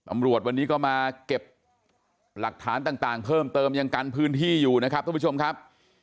ตำรวจวันนี้ก็มาเก็บหลักฐานต่างเพิ่มเติมยังกันพื้นที่อยู่นะครับทุกผู้ชมครับ